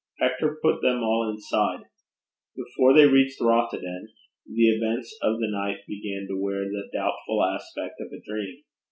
Hector put them all inside. Before they reached Rothieden the events of the night began to wear the doubtful aspect of a dream.